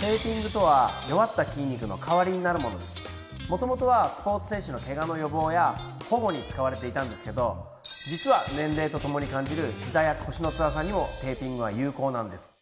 元々はスポーツ選手のケガの予防や保護に使われていたんですけど実は年齢とともに感じるひざや腰のつらさにもテーピングは有効なんです。